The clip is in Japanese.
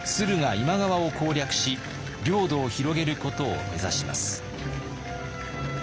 今川を攻略し領土を広げることを目指します。